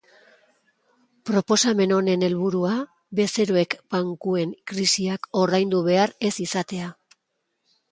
Proposamen honen helburua, bezeroek bankuen krisiak ordaindu behar ez izatea.